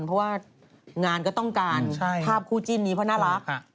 เพราะว่างานก็ต้องการภาพคู่จิ้นนี้เพราะน่ารัก